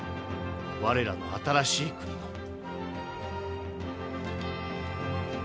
我らの新しい国の。